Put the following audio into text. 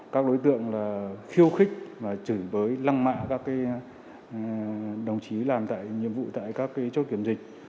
các đối tượng khiêu khích và chửi bới lăng mạ các đồng chí làm tại nhiệm vụ tại các chốt kiểm dịch